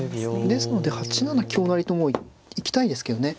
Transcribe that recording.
ですので８七香成ともう行きたいですけどね。